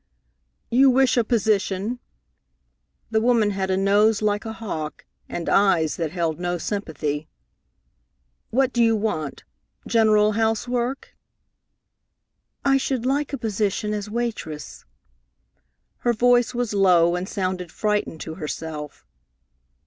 "You wish a position?" The woman had a nose like a hawk, and eyes that held no sympathy. "What do you want? General housework?" "I should like a position as waitress." Her voice was low and sounded frightened to herself.